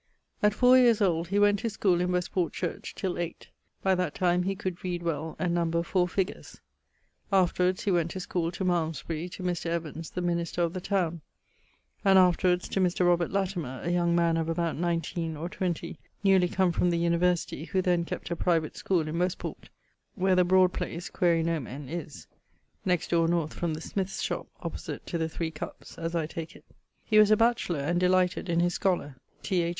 _> At four yeares old[FO] he went to schoole in Westport church, till eight; by that time he could read well, and number four figures. Afterwards he went to schoole to Malmesbury, to Mr. Evans, the minister of the towne; and afterwards to Mr. Robert Latimer, a young man of about nineteen or twenty, newly come from the University, who then kept a private schoole in Westport, where the broad place (quaere nomen) is, next dore north from the smyth's shop, opposite to the Three Cuppes (as I take it). He was a batchelour and delighted in his scholar, T. H.'